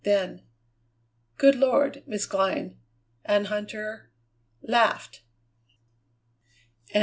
Then: "Good Lord, Miss Glynn!" and Huntter laughed!